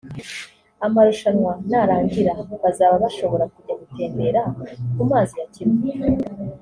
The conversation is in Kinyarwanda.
amarushanwa narangira bazaba bashobora kujya gutemberera ku mazi ya Kivu